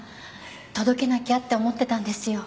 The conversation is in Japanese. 届けなきゃって思ってたんですよ。